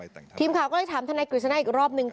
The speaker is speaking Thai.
ทีมข่าวก็เลยถามทนายกฤษณะอีกรอบนึง